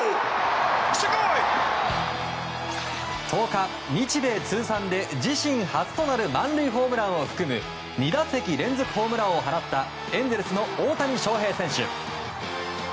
１０日日米通算で自身初となる満塁ホームランを含む２打席連続ホームランを放ったエンゼルスの大谷翔平選手。